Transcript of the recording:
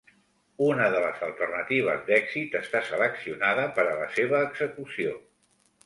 Una de les alternatives d'èxit està seleccionada per a la seva execució.